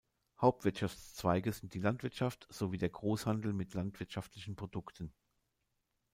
Hauptwirtschaftszweige sind die Landwirtschaft sowie der Großhandel mit landwirtschaftlichen Produkten.